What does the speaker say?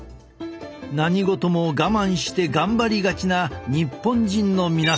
何事も我慢して頑張りがちな日本人の皆さん。